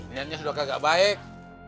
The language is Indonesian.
nyanya sudah agak agak baik